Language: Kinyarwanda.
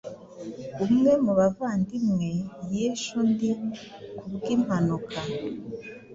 Umwe mu bavandimwe yishe undi ku bwimpanuka